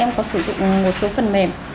em có sử dụng một số phần mềm